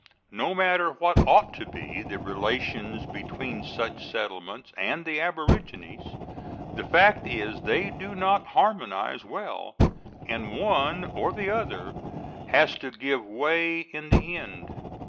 No matter what ought to be the relations between such settlements and the aborigines, the fact is they do not harmonize well, and one or the other has to give way in the end.